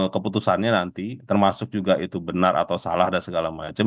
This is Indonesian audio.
keputusannya nanti termasuk juga itu benar atau salah dan segala macam